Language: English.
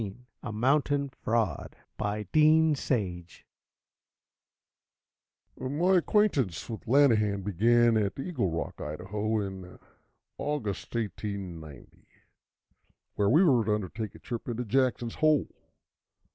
_ A Mountain Fraud My acquaintance with Lanahan began at Eagle Rock, Idaho, in August, 1890, where we met to undertake a trip into Jackson's Hole.